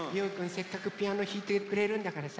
せっかくピアノひいてくれるんだからさ。